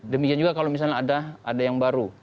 demikian juga kalau misalnya ada yang baru